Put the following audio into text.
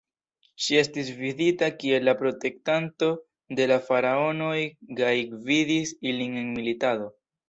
Ŝi estis vidita kiel la protektanto de la faraonoj kaj gvidis ilin en militado.